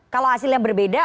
kalau hasilnya berbeda